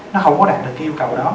nó không có đạt được cái yêu cầu đó